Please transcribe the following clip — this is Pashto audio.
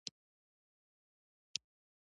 زه د کتابونو هغې لویې المارۍ ته بیا ځیر شوم